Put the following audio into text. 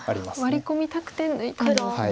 ワリ込みたくて抜いたんですね。